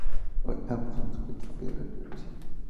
Hoy, ambos son sujetos federales de Rusia.